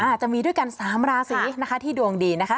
จะมีด้วยกัน๓ราศีที่ดวงดีนะคะ